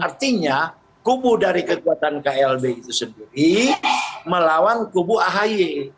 artinya kubu dari kekuatan klb itu sendiri melawan kubu ahy